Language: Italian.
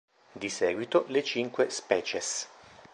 Di seguito le cinque "species".